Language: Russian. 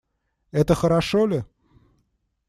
Это хорошо ли?